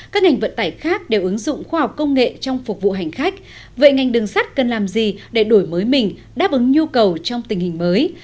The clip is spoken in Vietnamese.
vậy ngành đường sắt cần làm gì để đổi mới mình đáp ứng nhu cầu trong tình hình mới